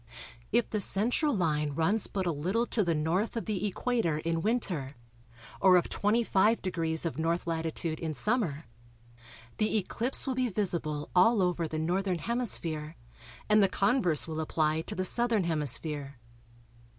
If the central line runs but a little to the N. of the Equator in Winter or of 25° of N. latitude in Summer, the eclipse will be visible all over the Northern Hemisphere, and the converse will apply to the Southern Hemisphere.